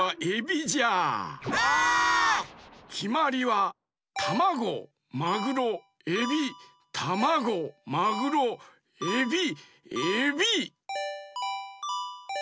きまりはタマゴマグロエビタマゴマグロエビエビ！